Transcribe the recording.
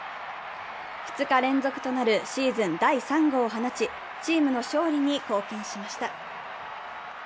２日連続となるシーズン第３号を放ち、チームの勝利に貢献しました。